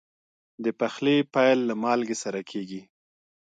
د پخلي پیل له مالګې سره کېږي.